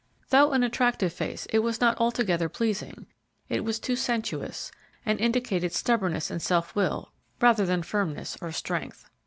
Though an attractive face, it was not altogether pleasing; it was too sensuous, and indicated stubbornness and self will rather than firmness or strength.